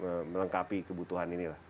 untuk melengkapi kebutuhan ini lah